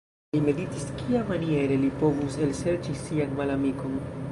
Li meditis, kiamaniere li povus elserĉi sian malamikon.